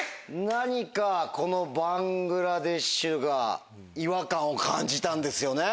何かこのバングラデシュが違和感を感じたんですよね？